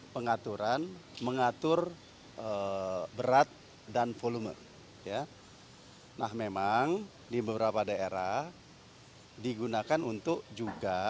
pengaturan mengatur berat dan volume ya nah memang di beberapa daerah digunakan untuk juga